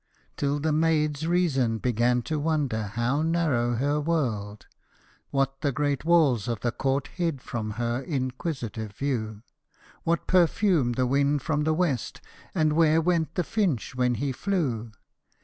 Till the maid's reason began to wonder how narrow her world, What the great walls of the court hid from her in quisitive view, What perfumed the wind from the west, and where went the finch when he flew.